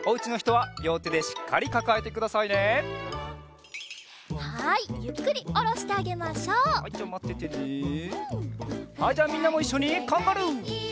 はいじゃあみんなもいっしょにカンガルー。